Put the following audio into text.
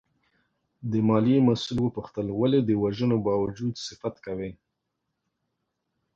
د مالیې مسوول وپوښتل ولې د وژنو باوجود صفت کوې؟